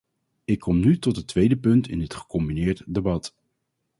Ik kom nu tot het tweede punt in dit gecombineerd debat.